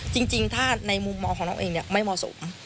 จริงถ้าในมุมมองของน้องเองไม่เหมาะสม